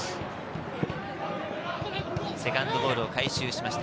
セカンドボール回収しました。